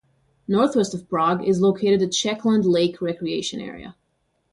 Northwest of Prague is located the Czechland Lake Recreation Area.